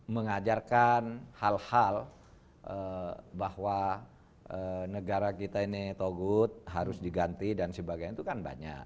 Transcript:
mengajarkan hal hal bahwa negara kita ini togut harus diganti dan sebagainya itu kan banyak